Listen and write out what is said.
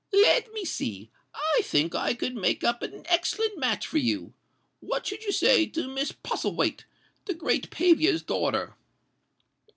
"Let me see—I think I could make up an excellent match for you. What should you say to Miss Posselwaithe, the great paviour's daughter?"